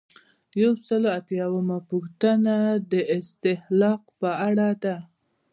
یو سل او اووه اتیایمه پوښتنه د استهلاک په اړه ده.